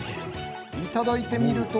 いただいてみると。